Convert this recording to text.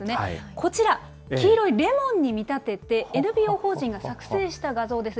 こちら、黄色いレモンに見立てて、ＮＰＯ法人が作成した画像です。